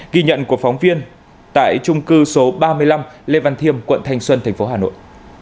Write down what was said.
ghi nhận của phóng viên tại trung cư số ba mươi năm lê văn thiêm quận thành xuân thành phố hà nội